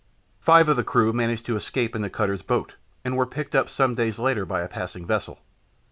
Five of the crew managed to escape in the cutter's boat and were picked up some days later by a passing vessel.